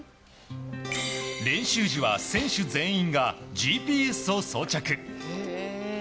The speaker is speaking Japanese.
練習時は選手全員がＧＰＳを装着。